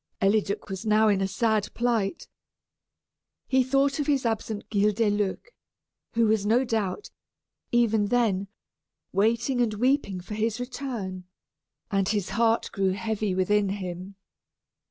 Eliduc was now in a sad plight. He thought of his absent Guildeluec, who was no doubt, even then, waiting and weeping for his return, and his heart grew heavy within him.